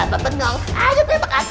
kenapa penuh ayo tembak aku